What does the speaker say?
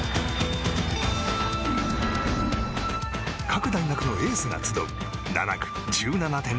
各大学のエースが集う７区、１７．６ｋｍ。